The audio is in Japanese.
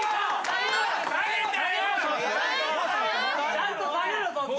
ちゃんと下げろそっち。